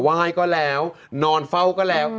ไหว้ก็แล้วนอนเฝ้าก็แล้ว